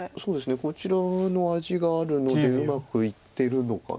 こちらの味があるのでうまくいってるのかな？